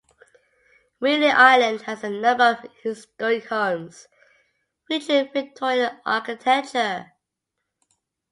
Wheeling Island has a number of historic homes featuring Victorian Architecture.